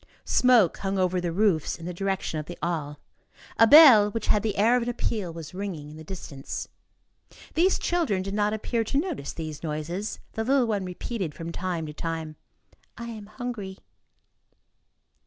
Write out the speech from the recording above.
Smoke hung over the roofs in the direction of the Halles. A bell, which had the air of an appeal, was ringing in the distance. These children did not appear to notice these noises. The little one repeated from time to time: "I am hungry."